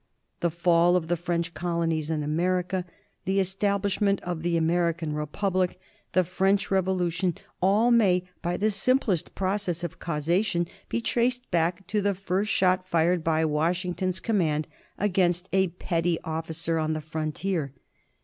The fall of the French colonies in America, the establishment of the American Republic, the French Revolution — all may, by the simplest process of causa tion, be traced back to the first shot fired by Washing ton's command against a petty officer on the frontier.